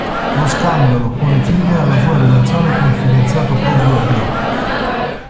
Lo scandalo pone fine alla sua relazione con il fidanzato Bobby Abreu.